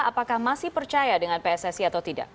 apakah masih percaya dengan pssi atau tidak